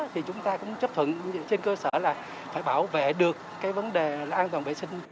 thì chúng ta cũng chấp thuận trên cơ sở là phải bảo vệ được cái vấn đề là an toàn vệ sinh